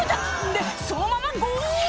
でそのままゴール！